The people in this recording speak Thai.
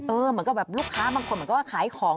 เออมันก็แบบลูกค้าบางคนมันก็ว่าขายของ